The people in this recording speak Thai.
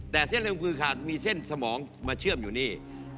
แต่เส้นเอ็มพือขาดมีเส้นสมองมาเชื่อมอยู่นี่